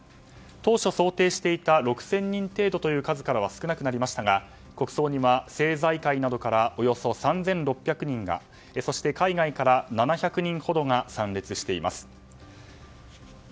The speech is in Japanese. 当初想定していた６０００人程度という数からは少なくなりましたが国葬には政財界などからおよそ３６００人が海外からは７００人ほどが参列しています。